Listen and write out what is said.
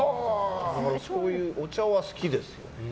そういうお茶は好きですよ。